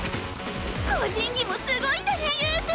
個人技もすごいんだねユース！